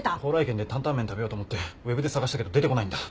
蓬莱軒でタンタン麺食べようと思ってウェブで探したけど出てこないんだ。